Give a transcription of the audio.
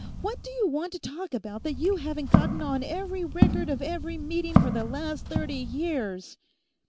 "What do you want to talk about that you haven't gotten on every record of every meeting for the last thirty years?"